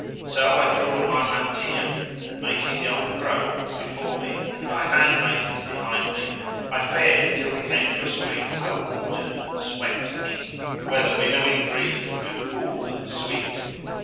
So I threw on my mantilla and, making the old crone walk before me and my handmaidens behind me, I fared till we came to a street well watered and swept neat, where the winnowing breeze blew cool and sweet.